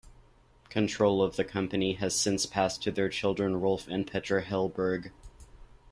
Control of the company has since passed to their children Rolf and Petra Hilleberg.